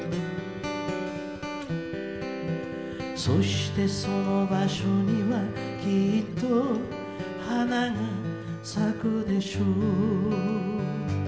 「そしてその場所にはきっと花が咲くでしょう」